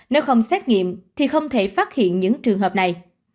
nếu không xét nghiệm thì không thể phát hiện những trường hợp này